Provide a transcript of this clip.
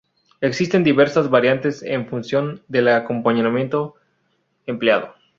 Existen diversas variantes en función del acompañamiento empleado.